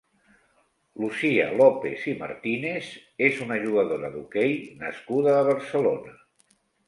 Lucía López i Martínez és una jugadora d'hoquei nascuda a Barcelona.